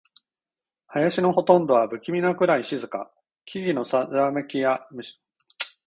林のほとんどは不気味なくらい静か。木々のざわめきや、虫の音、鳥の鳴き声くらいしか聞こえない。